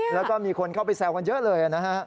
แล้วก็มีคนเข้าไปแซวกันเยอะเลยนะฮะ